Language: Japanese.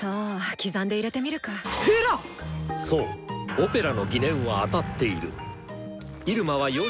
オペラの疑念は当たっている！